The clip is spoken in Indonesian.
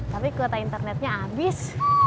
tapi kuota internetnya abis